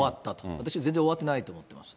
私は全然終わってないと思っています。